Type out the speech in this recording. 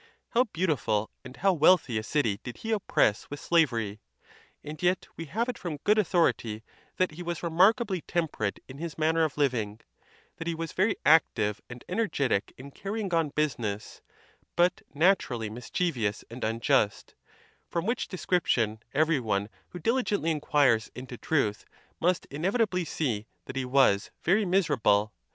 How beautiful and how wealthy a city did he oppress with slavery! And yet we have it from good authority that he was remarkably temperate in his manner of living, that he was very active and energetic in carrying on business, but naturally mis chievous and unjust; from which description every one who diligently inquires into truth must inevitably see that he was very miserable.